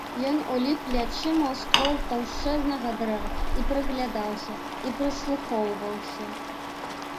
Ён уліп плячыма ў ствол таўшчэзнага дрэва і прыглядаўся, і прыслухоўваўся.